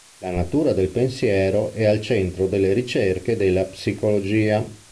La natura del pensiero è al centro delle ricerche della psicologia.